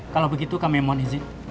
kalau begitu kami mohon izin